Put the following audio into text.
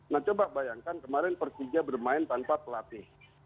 nah coba bayangkan kemarin persija bermain tanpa pelatih